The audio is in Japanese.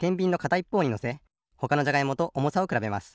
いっぽうにのせほかのじゃがいもとおもさをくらべます。